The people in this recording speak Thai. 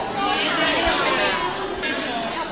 โสดครับ